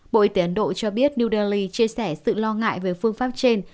bộ y tế ấn độ cho biết new delhi chia sẻ sự lo ngại về phương pháp trên